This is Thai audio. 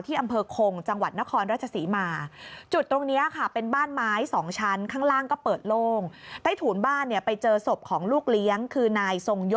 อำเภอคงจังหวัดนครราชศรีมา